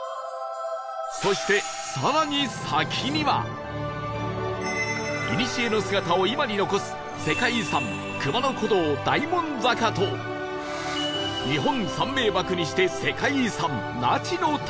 そしていにしえの姿を今に残す世界遺産熊野古道大門坂と日本三名瀑にして世界遺産那智の滝